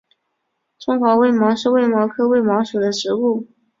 中华卫矛是卫矛科卫矛属的植物。